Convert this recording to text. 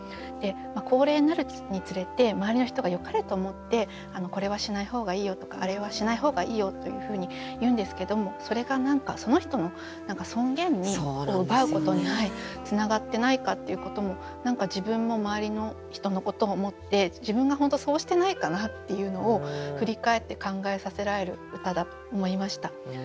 高齢になるにつれて周りの人がよかれと思ってこれはしない方がいいよとかあれはしない方がいいよというふうに言うんですけどもそれが何かその人の尊厳を奪うことにつながってないかっていうことも自分も周りの人のことを思って自分が本当そうしてないかなっていうのを振り返って考えさせられる歌だと思いました。